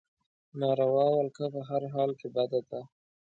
ناروا ولکه په هر حال کې بده ده.